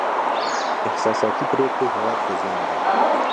احساساتي پرېکړې هېواد ته زیان دی.